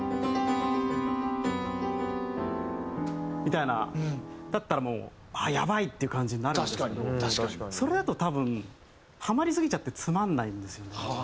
みたいなだったらもうあっやばい！っていう感じになるんですけどそれだと多分はまりすぎちゃってつまんないんですよね。